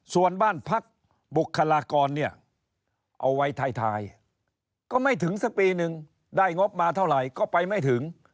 ส่วนบ้านพักบุคลากรเนี่ยเอาไว้ท้ายก็ไม่ถึงสักปีนึงได้งบมาเท่าไหร่ก็ไปไม่ถึง